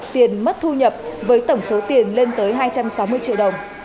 tiền mất thu nhập với tổng số tiền lên tới hai trăm sáu mươi triệu đồng